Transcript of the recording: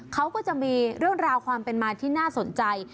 เขาก็จะมีเรื่องราวความเป็นมาที่น่าสนใจ